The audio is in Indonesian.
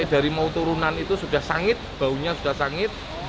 dari mau turunan itu sudah sangit baunya sudah sangit